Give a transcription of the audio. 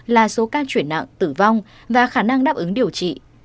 là số ca chuyển nặng tử vong và khả năng đáp ứng điều trị